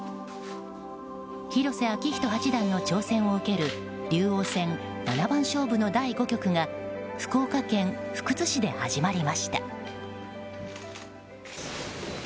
広瀬章人八段の挑戦を受ける竜王戦七番勝負の第５局が福岡県福津市で始まりました。